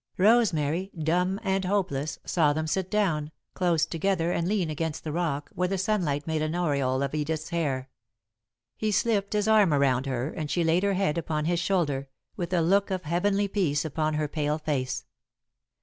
Rosemary, dumb and hopeless, saw them sit down, close together, and lean against the rock, where the sunlight made an aureole of Edith's hair. He slipped his arm around her, and she laid her head upon his shoulder, with a look of heavenly peace upon her pale face.